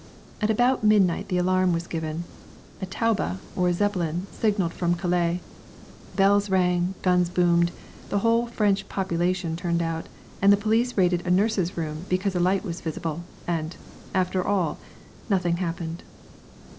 At about midnight the alarm was given a Taube or Zeppelin signalled from Calais bells rang, guns boomed, the whole of the French population turned out, and the police raided a nurse's room because a light was visible and, after all, nothing happened.